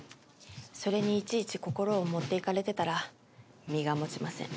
それにいちいち心を持っていかれてたら身が持ちません。